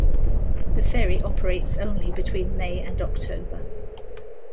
The ferry operates only between May and October.